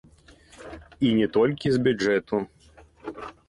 І не толькі з бюджэту.